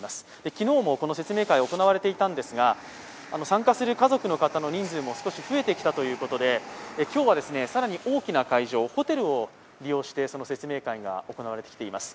昨日もこの説明会、行われていたんですが、参加する家族の方の人数も少し増えてきたということで今日は更に大きな会場、ホテルを借りて説明会が行われてきています。